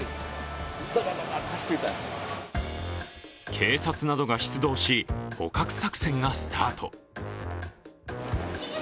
警察などが出動し、捕獲作戦がスタート。